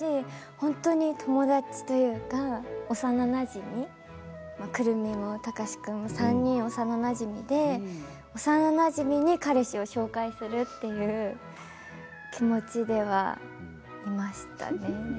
本当に友達というか幼なじみ久留美も貴司君も３人の幼なじみで幼なじみに彼氏を紹介するっていう気持ちではいましたね。